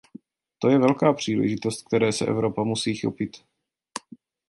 To je velká příležitost, které se Evropa musí chopit.